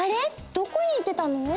どこに行ってたの？